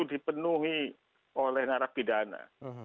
dipenuhi oleh narapidana